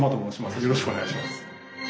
よろしくお願いします。